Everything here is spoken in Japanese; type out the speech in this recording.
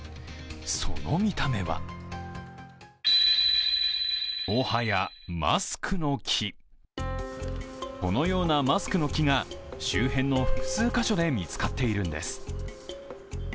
その見た目はこのようなマスクの木が周辺の複数箇所で見つかっているんです。